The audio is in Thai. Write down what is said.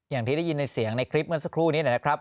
อย่างที่ได้ยินในเสียงในคลิปเมื่อสักครู่นี้นะครับ